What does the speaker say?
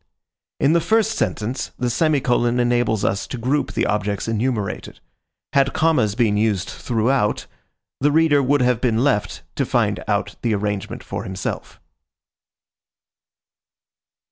In the first sentence the semicolon enables us to group the objects enumerated. Had commas been used throughout, the reader would have been left to find out the arrangement for himself.